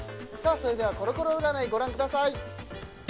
それではコロコロ占いご覧ください